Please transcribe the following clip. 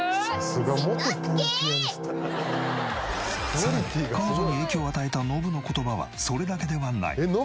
さらに彼女に影響を与えたノブの言葉はそれだけではない。